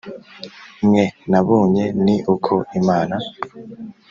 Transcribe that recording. Mwe nabonye ni uko imana